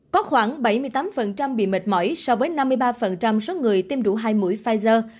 có khoảng bảy mươi tám bị mệt mỏi so với năm mươi ba số người tiêm đủ hai mũi pfizer